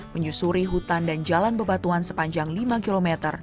menyusuri hutan dan jalan bebatuan sepanjang lima km